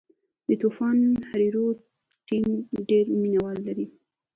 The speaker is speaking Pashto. د طوفان هریرود ټیم ډېر مینه وال لري.